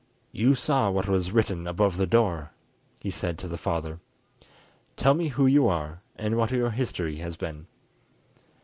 "You saw what was written above the door," he said to the father. "Tell me who you are and what your history has been."